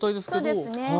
そうですね。